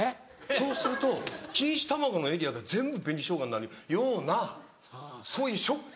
そうすると錦糸卵のエリアが全部紅ショウガになるようなそういうしょっぱい。